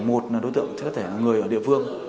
một là đối tượng có thể là người ở địa phương